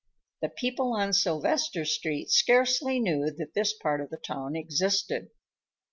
The people on Sylvester Street scarcely knew that this part of the town existed.